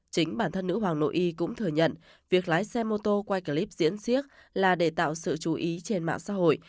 chính bản thân nữ hoàng nội y cũng thừa nhận việc lái xe mô tô quay clip diễn siếc là để tạo sự chú ý trên mạng xã hội